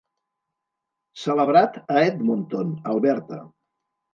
Celebrat a Edmonton, Alberta.